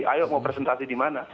ayo mau presentasi di mana